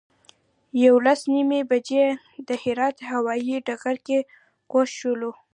یولس نیمې بجې د هرات هوایي ډګر کې کوز شولو.